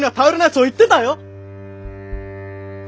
そう言ってたよ！